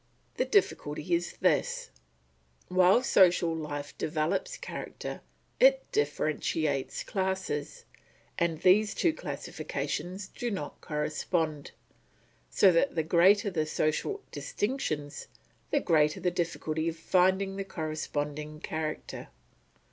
The difficulty is this: while social life develops character it differentiates classes, and these two classifications do not correspond, so that the greater the social distinctions, the greater the difficulty of finding the corresponding character.